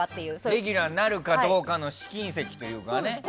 レギュラーになるかどうかの試金石というかね。